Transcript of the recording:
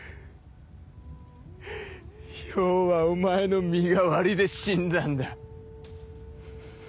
漂はお前の身代わりで死んだんだ。